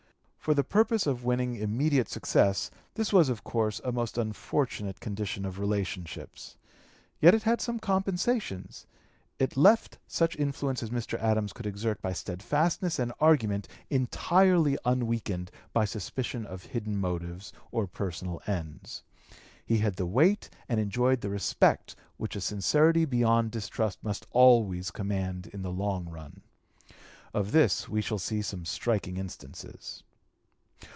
For the purpose of winning immediate successes this was of course a most unfortunate condition of relationships. Yet it had some compensations: it left such influence as Mr. Adams could exert by steadfastness and (p. 232) argument entirely unweakened by suspicion of hidden motives or personal ends. He had the weight and enjoyed the respect which a sincerity beyond distrust must always command in the long run. Of this we shall see some striking instances.